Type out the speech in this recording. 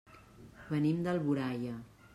Venim d'Alboraia.